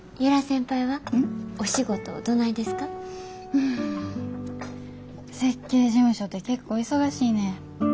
うん設計事務所って結構忙しいねん。